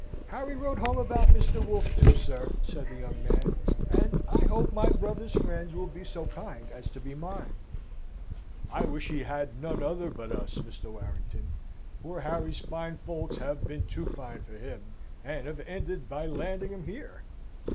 "Harry wrote home about Mr. Wolfe, too, sir," said the young man, "and I hope my brother's friends will be so kind as to be mine." "I wish he had none other but us, Mr. Warrington. Poor Harry's fine folks have been too fine for him, and have ended by landing him here."